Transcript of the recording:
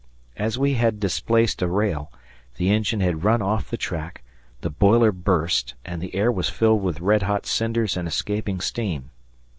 As we had displaced a rail, the engine had run off the track, the boiler burst, and the air was filled with red hot cinders and escaping steam.